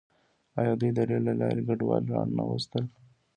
آیا دوی د ریل له لارې کډوال را نه وستل؟